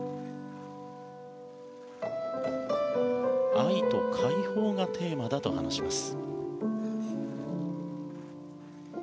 「愛と解放」がテーマだと話します。